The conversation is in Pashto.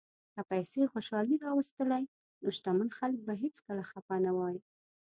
که پیسې خوشالي راوستلی، نو شتمن خلک به هیڅکله خپه نه وای.